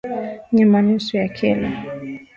Nyama nusu ya kilo